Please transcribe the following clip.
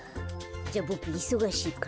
じゃあボクいそがしいから。